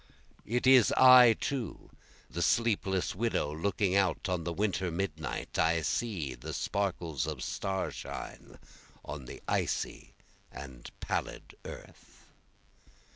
It is I too, the sleepless widow looking out on the winter midnight, I see the sparkles of starshine on the icy and pallid earth.